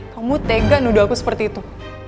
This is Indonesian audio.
kamu tega nuduh aku seperti itu